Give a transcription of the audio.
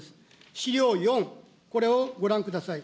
資料４、これをご覧ください。